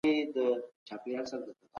د علم په پوهه کي څيړنه مهمه ده.